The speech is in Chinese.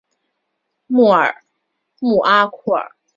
穆阿库尔。